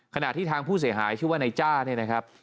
ขณะที่ทางผู้เสียหายชื่อว่านายจ้าเนี่ยนะครับ